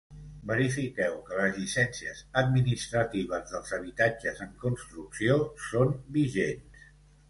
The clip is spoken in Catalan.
Verifiqueu que les llicències administratives dels habitatges en construcció són vigents.